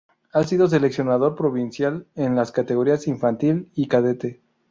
Ha sido Seleccionador provincial en las categorías infantil y cadete.